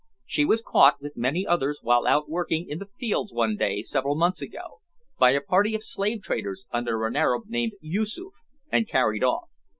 She was caught, with many others, while out working in the fields one day several months ago, by a party of slave traders, under an Arab named Yoosoof and carried off.